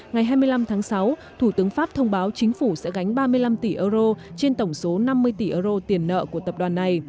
ngày hai mươi năm tháng sáu thủ tướng pháp thông báo chính phủ sẽ gánh ba mươi năm tỷ euro trên tổng số năm mươi tỷ euro tiền nợ của tập đoàn này